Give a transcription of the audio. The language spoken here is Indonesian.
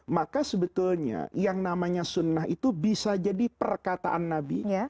maka sebetulnya yang namanya sunnah itu bisa jadi perkataan nabi